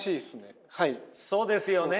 そうですよね。